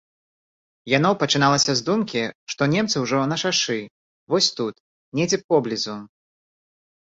Яно пачыналася з думкі, што немцы ўжо на шашы, вось тут, недзе поблізу.